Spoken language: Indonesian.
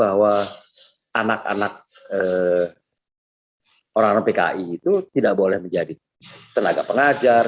jadi bukan bahwa anak anak orang orang pki itu tidak boleh menjadi tenaga pengajar